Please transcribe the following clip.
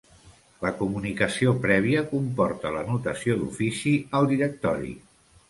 La comunicació prèvia comporta l'anotació d'ofici al Directori.